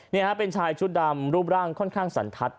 นี่ฮะเป็นชายชุดดำรูปร่างค่อนข้างสันทัศน